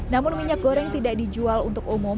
namun minyak goreng tidak dijual untuk umum